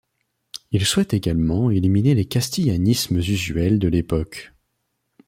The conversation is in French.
Il souhaite également éliminer les castillanismes usuels de l'époque.